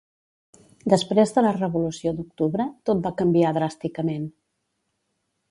Després de la Revolució d'Octubre, tot va canviar dràsticament.